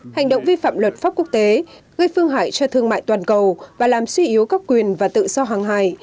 hành động vi phạm luật pháp quốc tế gây phương hại cho thương mại toàn cầu và làm suy yếu các quyền và tự do hàng hải